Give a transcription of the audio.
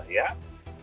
saya tadi berumur